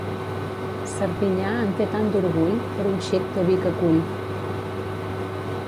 Serdinyà en té tant d'orgull, per un xic de vi que cull.